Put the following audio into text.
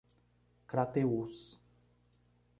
Crateús